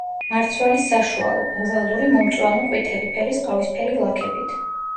მარცვალი საშუალო, ოვალური მომწვანო-ყვითელი ფერის ყავისფერი ლაქებით.